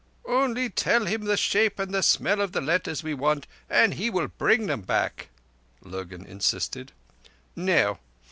"Only tell him the shape and the smell of the letters we want and he will bring them back," Lurgan insisted. "No.